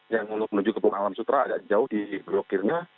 yang menuju ke bung alam sutra agak jauh di blokirnya